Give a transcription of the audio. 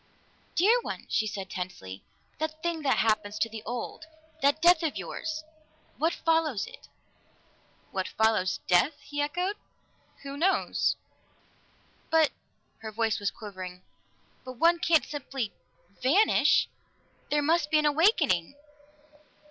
"Dear one!" she said tensely. "That thing that happens to the old that death of yours! What follows it?" "What follows death?" he echoed. "Who knows?" "But " Her voice was quivering. "But one can't simply vanish! There must be an awakening."